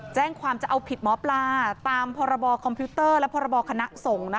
แจ้งความจะเอาผิดหมอปลาตามพรบคอมพิวเตอร์และพรบคณะสงฆ์